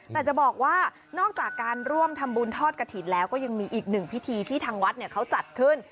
แต่จะบอกว่านอกจากการร่วมทำบุญทอดกระถิ่นแล้วก็ยังมีอีกหนึ่งพิธีที่ทางวัดเขาจัดขึ้น